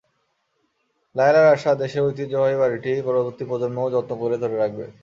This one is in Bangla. লায়লার আশা, দেশের ঐতিহ্যবাহী বাড়িটি পরবর্তী প্রজন্মও যত্ন করে ধরে রাখবে।